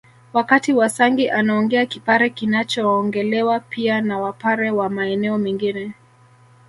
Wakati wasangi anaongea kipare kinachoongelewa pia na Wapare wa maeneo mengine